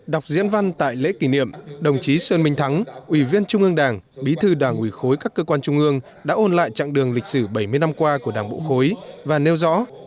đọc diễn văn tại lễ kỷ niệm đồng chí sơn minh thắng ủy viên trung ương đảng bí thư đảng ủy khối các cơ quan trung ương đã ôn lại chặng đường lịch sử bảy mươi năm qua của đảng bộ khối và nêu rõ